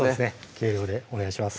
計量でお願いします